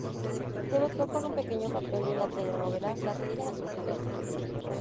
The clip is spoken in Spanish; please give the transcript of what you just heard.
Debutó con un pequeño papel en la telenovela "La pícara soñadora".